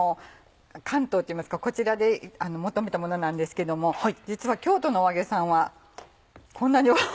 関東っていいますかこちらで求めたものなんですけども実は京都のお揚げさんはこんなにフフフ。